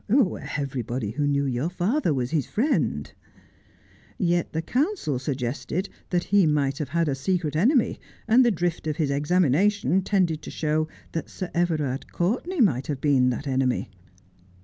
' Everybody who knew your father was his friend.' ' Yet the counsel suggested that he might have had a secret enemy, and the drift of his examination tended to show that Sir Everard Courtenay might have been that enemy.